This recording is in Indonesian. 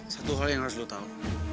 satu hal yang harus lu tau